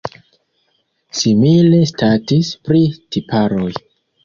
Simile statis pri tiparoj.